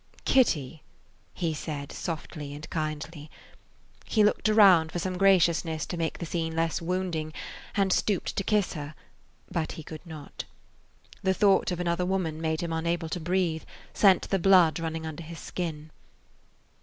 "Kitty," he said softly and kindly. He looked around for some graciousness to make the scene less wounding, and stooped to kiss her; but he could not. The thought of another woman made him unable to breathe, sent the blood running under his skin.